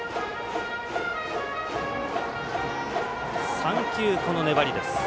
３球、粘りです。